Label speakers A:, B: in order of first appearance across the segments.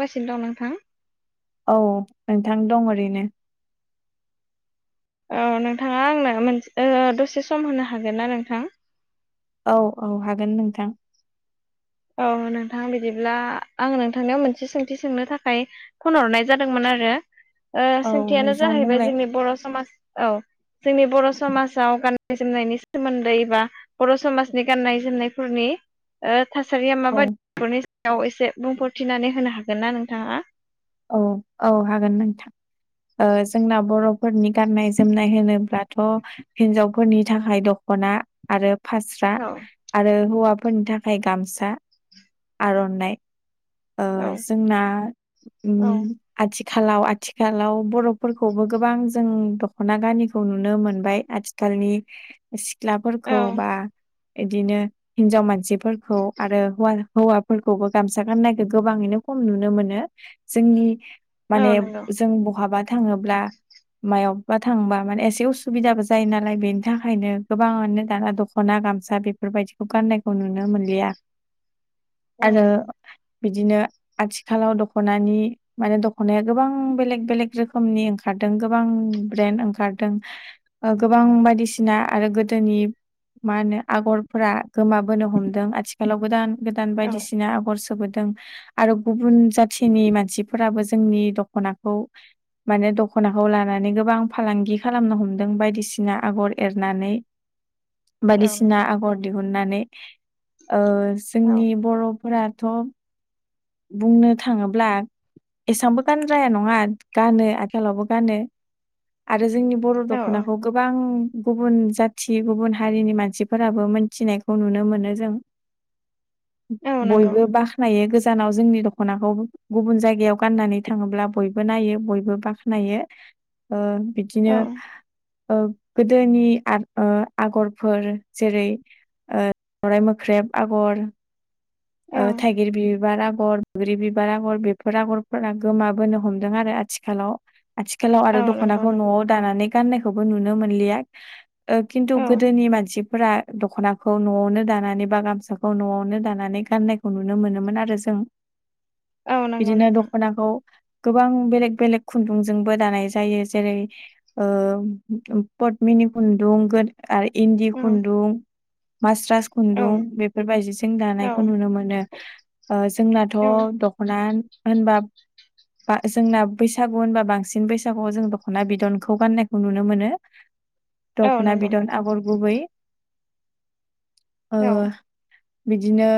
A: गासिनो दं नोंथां।
B: औ नोंथां दं ओरैनो
A: औ नोंथाङा आंनो मोनसे दसे सम होनो हागोन ना नोंथां।
B: औ औ हागोन नोंथां
A: औ नोंथां बिदिब्ला आं नोंथांनियाव मोनसे सोंथि सोंनो थाखाय फनहरनाय जादोंमोन आरो
B: औ
A: सोंथियानो
B: नोंथाङा
A: जाहैबाय
B: बुंलाय
A: जोंनि बर' समाज औ जोंनि बर' समाजाव गाननाय जोमनायनि सोमोन्दै बा बर' समाजनि गाननाय जोमनायफोरनि थासारिया
B: औ
A: माबायदि बेफोरनि सायाव एसे बुंफोरथिनानै होनो हागोन ना नोंथाङा
B: औ औ हागोन नोंथां जोंना बर' फोरनि गाननाय जोमनाय होनोब्लाथ' हिनजावफोरनि थाखाय दख'ना आरो फास्रा
A: औ
B: आरो हौवाफोरनि थाखाय गामसा आर'नाइ
A: औ
B: जोंना
A: औ
B: आथिखालाव आथिखालाव बर'फोरखौबो गोबां जों दख'ना गानिखौ नुनो मोनबाय गलनि सिख्लाफोरखौ बा बिदिनो हिनजाव मानसिफोरखौ आरो हौव हौवाफोरखौबो गामसा गाननायखौ गोबाङैनो खम नुनो मोनो जोंनि
A: औ
B: माने
A: नंगौ
B: जों बहाबा थाङोब्ला मायावबबा थांबा माने एसे उसुबिदाबो जायो नालाय बेनि थाखायनो गोबाङानो दाना दख'ना गामसा बे बेफोरबायदिखौ गाननायखौ नुनो मोनलिया
A: औ
B: आरो
A: नंगौ
B: बिदिनो आथिखालाव दख'नानि माने दख'नाया गोबां बेलेग बेलेग रोखोमनि ओंखारदों गोबां ब्रेन्ड ओंखारदों गोबां बायदिसिना आरो गोदोनि मा होनो आगरफोरा गोमाबोनो हमदों आथिखाल आथिखालाव गोदान गोदान
A: औ
B: बायदिसिना आगर सोबोदों आरो गुबुन जा मसिनि मानसिफोराबो जोंनि दख'नाखौ माने दखनाखौ लानानै गोबां फालांगि खालामनो हमदों बायदिसिना आगर एरनानै
A: औ
B: बायदिसिना
A: नंगौ
B: आगर दिहुननानै
A: औ
B: जोंनि बर'फोराथ' बुंनो थाङोब्ला एसेबांबो गानद्राया नङा गानो आथिालावबो गानो आरो जोंनि बर'
A: औ औ
B: दख'नाखौ गोबां गुबुन जाथि गुबुन हारिनि मानसिफोराबो मोनथिनायखौ नुनो मोनो जों
A: औ नंगौ
B: बयबो बाख्नायो गो गोजानाव जोंनि दख'नाखौ गुबुन जायगायाव गाननानै थाङोब्ला बयबो नायो बयबो बाखनायो
A: औ
B: बिदिनो गोदोनि आगरफोर जेरै सावरराय मोख्रेब आगर
A: औ
B: थाइगिर बिह बिबार आगर बैग्रि बिबार आगर बेफोर आगरफोरा गोमाबोनो हमदों आरो आथिखालाव आथिखालाव आरो
A: औ नंगौ
B: दख'नाखौ
A: नंगौ
B: न'आव दानानै गाननायखौबो नुनो मोनलिया खिन्थु
A: औ
B: गोदोनि मानसि फोर दख'नाखौ न'आवनो दानानै बा गामसाखौ न'आवनो दानानै गाननायखौ नुनो मोनोमोन आरो जों
A: औ नंगौ
B: बिदिनो
A: नोंथां
B: दखनाखौ गोबां बेलेग बेलेग खुन्दुंजोंबो दानाय जायो जेरै पदमिनि खुन्दुं आरो इन्दि
A: औ
B: खुन्दुं मस्राास
A: औ
B: खुन्दुं बेफोरबायदिजों
A: औ
B: दानायखौ नुनो मोनो जोंनाथ'
A: औ
B: अ होनबा ब जोंना बैसागु होनबा बांसिन बैसागुआव जों दख'ना बिदनखौ गान्नायखौ नुनो मोनो
A: औ
B: दख'ना
A: नंगौ
B: बिदन आगर गुबै
A: औ
B: बिदिनो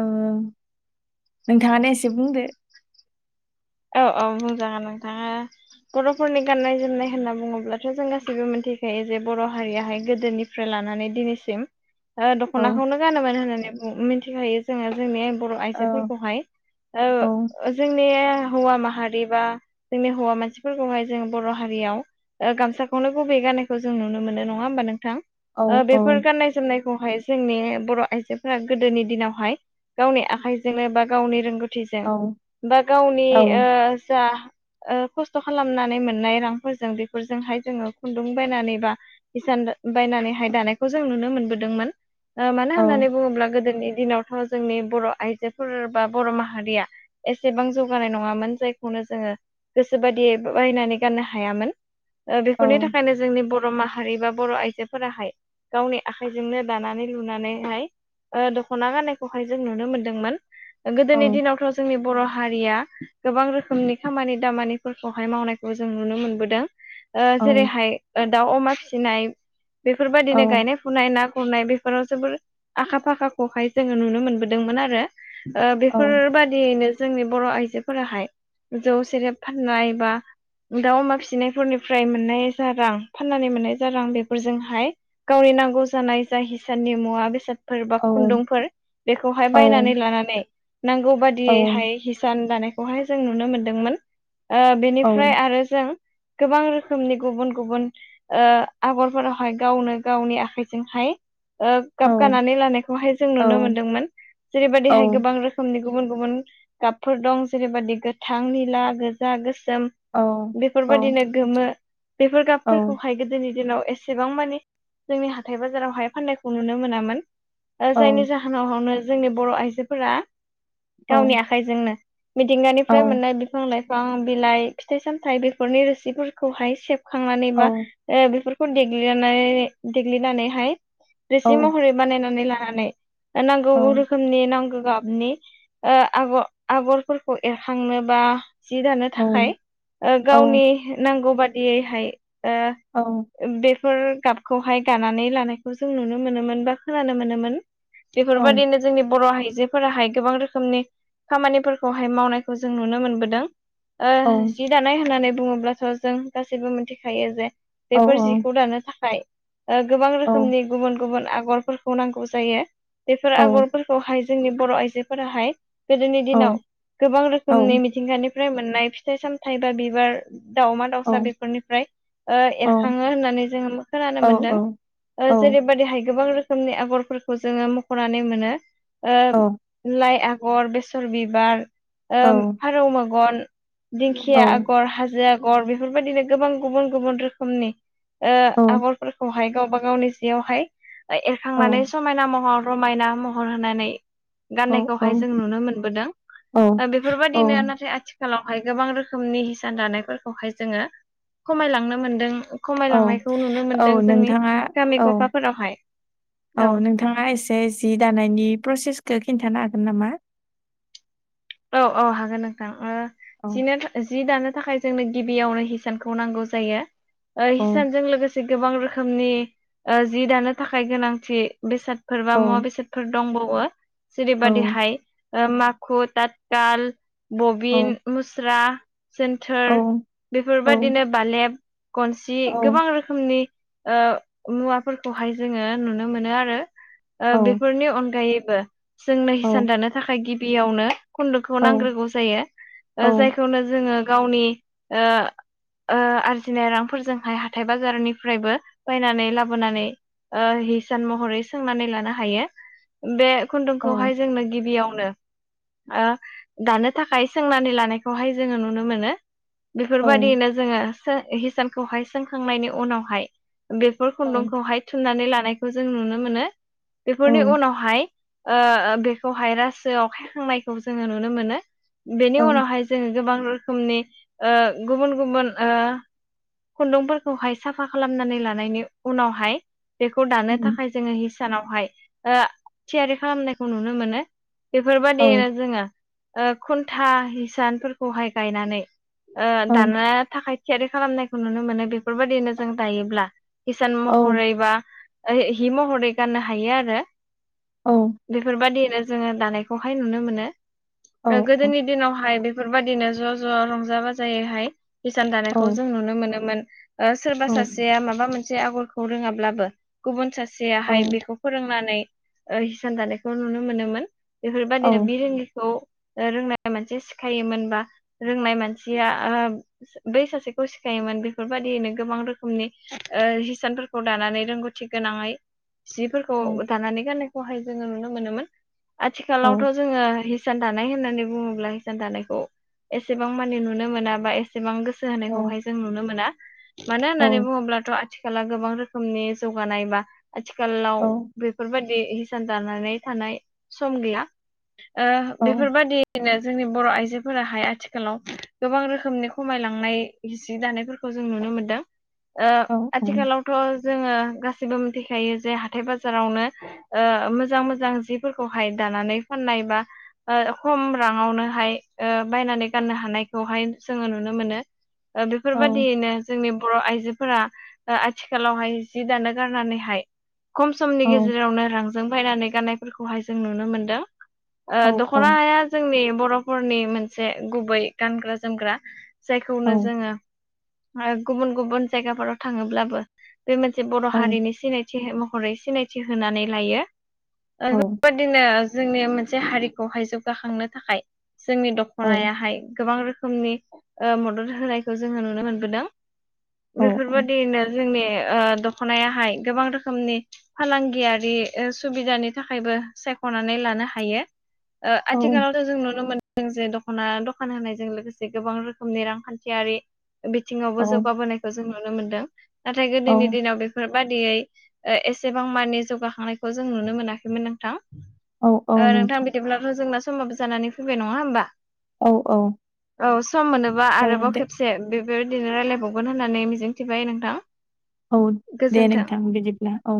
B: औ नोंथाङानो एसे बुंदो।
A: औ औ मोजां नोंथाङा बर'फोरनि गाननाय जोमनाय होनना बुङोब्लाथ' जों गासैबो मिथिखायो, जे बर' हारियाहाय गोदोनि निफ्राय लानानै दिनैसिम
B: औ
A: दख'नाखौनो गानोमोन होननानै मिथिखायो जोङो जोंनि बर'
B: औ
A: आइजोफोरखौहाय,
B: औ
A: ओ जोंनि हौवा माहारि बा जोंनि हौवा मानसिफोरखौहाय जों बर' हारियाव ओ गामसाखौनो गुबबै गाननायखौ जों नुनो मोनो। नङा होमबा नोंथां? औ बेफोर गान्नाय जोमनायखौहाय जोंनि बर' आइजोफोरा गोदोनि दिनावहाय गावनि आखाइजोंनो बा गावनि रोंगौथि जों बा गावनि
B: औ
A: ओ जा ओ खस्थ' खालामनानै मोननाय रांफोरजों बेफोरजोंहाय जोङो खुन्दुं बायनानै बा इसान बायनानैहाय दानायखौ जों नुनो मोनबोदोंमोन। ओ मानो
B: औ
A: होननानै बुङोब्ला गोदोनि दिनाव थ' जोंनि बर' आइजोफोर बा बर' माहारिया एसेबां जौगानाय न ङा मोन। जायखौनो जोङो गोसो बादियै बायनानै गाननो हायामोन
B: औ
A: बेफोरनि थाखायनो जोंनि बर' माहारि बा बर' आइजोफोराहाय गावनि आखाइजोंनो दानानै लुनानैहाय ओ दख'ना गाननायखौहाय जों नुनो मोनदोंमोन। गोदोनि दिनावथ' जोंनि बर' हारिया गोबां रोखोमनि खामानि दामानिफोरखौहाय मावनायखौ जों नुनो मोनबोदों। ओ
B: औ
A: जेरैहाय दाउ-अमा फिसिनाय बेफोरबायदिनो गायनाय फुनाय, ना गुरनाय बेफोराव जोबोर आखा फाखाखौहाय जोङो नुनो मोनबोदोंमोन आरो ओ
B: औ
A: बेफोरबादियैनो जोंनि बर' आइजो फोराहाय। जौ, सेरेब फाननाय बा दाउ-अमा फिसिनायफोरनिफ्राय मोननाय जा रां, फाननानै मोननाय ज रां बेफोरजोंहाय गावनि नांगौ जानाय जा हिसारनि मुवा बेसाद फोर बा खुन्दुंफोर बेखौहाय
B: औ
A: बायनानै लानानै नांगौ बायदि
B: औ
A: यै हाय हिसान दानायखौहाय जों नुनो मोनदोंमोन। ओ
B: औ
A: बेनिफ्राय आरो जों गोबां रोखोमनि गुबुन गुबुन ओ आगरफोरावहाय गावनो गावनि आखाइजोंहाय ओ गाब गानानै लानायखौहाय जों नुनो मोनदोंमोन।
B: औ औ
A: जेरैबायदिहाय गोबां रोखोम समनि गुबुन गुबुन गाबफोर दं जेरैबाददि गोथां, निला, गोजा, गोसोम
B: औ
A: बेफोरबायदिनो गोमो बेफोर गाबफोरखौहाय गोदोनि दिनाव एसे एसेबां मानिे जोंनि हाथाय बाजाराव हाय फान्नायखौ नुनो मोनामोन जायनि जाहोन सानावनो जोंनि बर' आइजोफोरा गावनि आखाइजोंनो मिथिंगानि फ्राय मोननाय बिफां-लाइफां, बिलाइ, फिथाइ-सामथायाइ बेफोरनि रोसिफोरखौहाय सेफ खांनानै बा ओ बेफोरखौ देग्लिना देग्लिनानैहाय
B: औ
A: रोसि महरै बानायनानै लानानै, नांगौ
B: औ
A: रोखोमनि नांगौ गाबनि आग आगरफोरखौ एरखांनो बा जि दानो
B: औ
A: थाखाय गावनि नांगौ बादि बेयैहाय ओ
B: औ
A: बेफोर गाबखौहाय गानानै लानायखौ जों नुनो मोनोमोन बा खोनानो मोनोमोन। बेफोरबायदिनो जोंनि बर' आइजोफोराहाय गोबां रोखोमनि खामानिफोरखौहाय मावनायखौ जों नुनो मोनबोदों‌ ओ जि दानाय होननानै बुङोब्लाथ' जों गासैबो मिथिखायो जे बेफोर जिखौ दानो थाखाय ओ गोबां रोखोमनि गुबुन गुबुन आगरफोरखौ नांगौ जायो बेफोर आगरफोरखौ खौहाय जोंनि बर' आइजोफोराहाय गोदोनि दिनाव गोबां रोखोमनि मिथिंगानि फफ्राय मोननाय फिथाइ सामथायाइ बा बिबार दाावमा दाउसा बेफोरनिफ्राय एरखाङो होननानै जोङो खोनानो मोनदों जेरैबादैहाय गोबां रोख रोखोमनि आगरफोरखौ जोङो मख'नानै मोनो लाइ आगर बे बासर बिबार, ओ फारौ मेगन, दिंखिया आगर, हाजो आग आगर बेफोरबायदिनो गोबां गुबुन गुबुन रोखोमनि ओ आगर फोरखौहाय गावबा गावनि जियावहाय एरखांनानै समायना महर रमायना महर होनानै गाननायखौहाय जों नुनो मोन बोदों
B: औ
A: बेफोरबायदिनो नाथाय आथिखाल आथिखालावहाय गोबां रोखोमनि हिसान दानायफोरखौहाय जोङो खमायलांनो मोनदों
B: औ
A: खमायलांनायखौ नुनो
B: औ
A: मोनदों जोंनि
B: नोंथाङा
A: गामि
B: औ
A: गफाफोरावहाय औ
B: नोंथाङा एसे जि दानायनि प्रसेसखौ खिन्थानो हागोन नामा
A: औ औ हागोन नोंथां
B: औ
A: जिनो जि दानो थाखाय जोंनो गिबियावनो हिसानखौ नांगौ जायो
B: औ
A: हिसानजों लोगोसे गोबां रोखोमनि जि दानो थाखाय गोनांथि बेसादफोर बा
B: औ
A: मुवा बेसादफोर दंबावो
B: औ
A: जेरैबादिहाय माखु तााथथाल
B: औ
A: बबिन मुस्रा सेन्थोर
B: औ
A: बेफोरबायदिनो बालेब खनसि
B: औ
A: गोबां रोखोमनि मुवाफोरखौहाय जोङो नुनो मोनो आरो
B: औ
A: बेफोरनि अनगायैबो जोंनो हिसान दानो थाखाय गिबियावनो खुन्दुखौ
B: औ
A: नांग्रोगौ जायो जायखौनो जोङो गावनि आरजिनाय रांफोरजोंहाय हाथाय बाजारनिफ्रायबो बायनानै लाबोनानै हिसान महरै सोंनानै लानो हायो बे खुन्दुंखौहाय जोंनो गिबियावनो दानो थाखाय सोंनानै लानायखौहाय जोङो नुनो मोनो बेफोरबायदियैनो जोङो हिसानखौहाय सोंखांनायनि उनावहाय बे बेफोर खुन्दुंखौहाय थुननानै लानायखौ जों नुनो मोनो
B: औ
A: बेफोरनि
B: औ
A: उनावहाय बेखौहाय रासो आवखायखांनायखौ जोङो नुनो मोनो बेनि
B: औ
A: उनावहाय जोङ गोबां रोखोमनि गुबुन गुबुन खुन्दुंफोरखौहाय साफा खालामनानै लानायनि उनावहाय बेखौ दानो थाखाय जोङो हिसानावहाय थियारि खालामनायखौ नुनो मोनो बेफोरबादियैनो जोङो खुन्था हिसानफोरखौहाय गायनानै दानो थाखाय थियारि खालामनायखौ नुनो मोनो बेफोरबायाददिनो जों दायोब्ला किसान महरै बा हि महरै गाननो हायो आरो
B: औ
A: बेफोरबायादिनो जोङो दानायखौहाय नुनो मोनो गोदोनि दिनावहाय बेफोरबायदिनो ज' ज' रंजा बाजायैहाय हिसान दानायखौ जों नुनो मोनोमोन सोरबा सासेया माबा मोनसे आगर रोङाब्लाबो गुबुन सासेयाहाय बेखौ फोरोंनानै हिसान थानायानायखौ नुनो मोनोमोन बेफोरबायादिनो बि रोंनि खौ रोंनाय मानसि सिखायोमोनबा रोंनाय मानसिया बै सासेखौ सिखायोमोन बेफोरबायाददियैनो गोबां रोखोमनि हिसान खौ दानानै रोंगौथि गोनाङै जिफोरखौ दानानै गाननायखौहाय जोङो नुनो मोनोमोन आथिखालावथ' जोङो हिसान दानाय होननानै बुङोब्ला हिसान दानायखौ एसेबां मानिे नुनो मोना बा एसेबां गोसो गोो होनायखौहाय जों नुनो मोना मानो होननानै बुङोब्लाथ' आथिखला गोबां रोखोम रोखनि जौगानाय बा आथिखालाव बेफोरबायदि ानानै थानाय सम गैया बेफोरबादि बिनो जोंनि बर' आइजोफोराहाय आथिखालाव गोबां रोखोमनि खमायलांनाय जि दानायफोरखौ जों नुनो मोनदों ओ आथिखालाव थ' जोङो गासिबो मिथिखायो जे हाथाय बाजारावनो मोजां मोजां जिफोरखौहाय दानानै फाननाय बा खम राङावनोहाय बायनानै गाननो हानायखौहाय जोङो नुनो मोनो। बेफोरबायदियैनो जोंनि बर' आइजोफोरा आथिखालावहाय जि दानो गारनानैहाय खम समनि गेजेरावनो रां जों फायनानै गाननायफोरखौहाय जों नुनो मोनदों। ओ द जोंनि बर'फोरनि मोनसे गुबै गानग्रा जोमग्रा। जायखौनो जोङो गुबुन गुबुन जायगाफोराव थाङोब्लाबो बे मोनसे बर' हारिनि सिनायथि महरै सिनायथि होनानै लायो। बेबायदिनो जोंनि मोनसे हारिखौहाय जौगाखांनो थाखाय जोंनि द खनायाहाय गोबां रोखोमनि मदद होनायखौ जोङो नुनो मोनबोदों। बेफोरबायदियैनो जोंनि दख'नायाहाय गोबां रोखोमनि फालांगियारि सुबिदानि थाखायबो सायख'नानै लानो हायो। आथिखालावथ' जों नुनो मोन जों जे दख'ना दखान होनायजों लोगोसे गोबां रोखोमनि रांखान्थियारि बिथिङावबो जौगाबोनायखौ जों नुनो मोनदों नाथाय गोदोनि
B: औ
A: दिनाव बे बेफोर बादियै एसेबां मानि जौगाखांनायखौ जों नुनो मोनाखैमोन नोंथां।
B: औ औ
A: नोंथां बिदिब्लाथ' जोंना समाबो जानानै फैबाय नङा होमबा?
B: औ औ
A: औ सम मोनोबा
B: औ
A: आरोबाव
B: दे
A: खेबसे एसे बेफोरदिनो रायज्लायबावगोन होननानै मिजिंथिबाय नोंथां।
B: औ दे
A: गोजोन्थों
B: नोंथां बिदिब्ला औ।